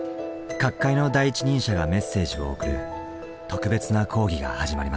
各界の第一人者がメッセージを送る特別な講義が始まります。